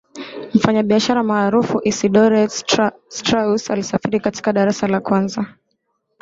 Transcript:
mfanyabiashara maarufu isidore strauss alisafiri katika darasa la kwanza